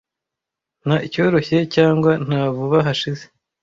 Nta icyoroshye cyangwa nta vuba hashize